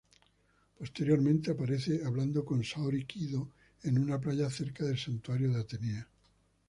Posteriormente, aparece hablando con Saori Kido en una playa cerca del Santuario de Atenea.